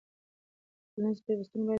ټولنیز پیوستون باید پیاوړی سي.